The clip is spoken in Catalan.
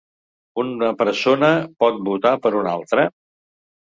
Una persona pot votar per una altra?